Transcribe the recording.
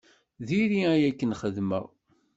Diri ayen akken xedmeɣ.